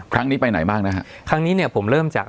สวัสดีครับทุกผู้ชม